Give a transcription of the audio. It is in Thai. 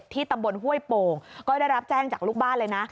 ตำบลห้วยโป่งก็ได้รับแจ้งจากลูกบ้านเลยนะ